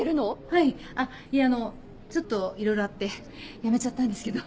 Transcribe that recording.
はいあっいえあのちょっといろいろあってやめちゃったんですけど。